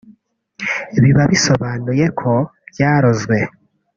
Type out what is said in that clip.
Biba bisobanuye ko byarozwe